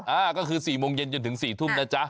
อ่าก็คือ๔โมงเย็นจนถึง๔ทุ่มนะจ๊ะ